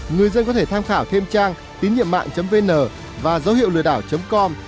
người dân có thể tham khảo thêm trang tín nhiệm mạng vn và dấu hiệu lừa đảo com